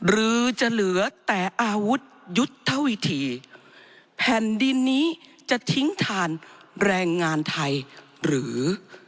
หรือจะเหลือแต่อาวุธยุทธวิธีแผ่นดินนี้จะทิ้งทานแรงงานไทยหรือ